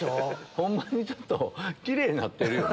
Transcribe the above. ホンマにちょっとキレイになってるよね。